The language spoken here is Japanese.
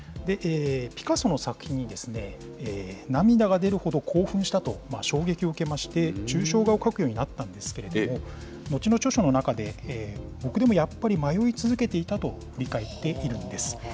ピカソの作品に涙が出るほど興奮したと衝撃を受けまして、抽象画を描くようになったんですけれども、後の著書の中で、僕でもやっぱり迷い続けていたと振り返っているんです。